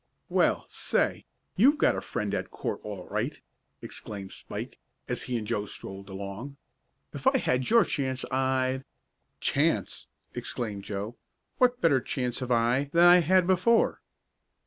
"Well, say, you've got a friend at court all right!" exclaimed Spike, as he and Joe strolled along. "If I had your chance I'd " "Chance!" exclaimed Joe. "What better chance have I than I had before?"